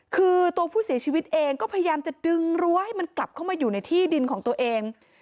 คือตัวผู้เสียชีวิตเองก็พยายามจะดึงรั้วให้มันกลับเข้ามาอยู่ในที่ดินของตัวเอง